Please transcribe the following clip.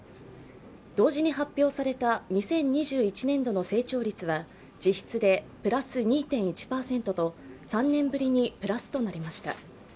同時に発表された２０２１年度の成長率は実質でプラス２．１％と３年ぶりにプラスとなりました。